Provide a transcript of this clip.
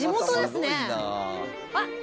あっ！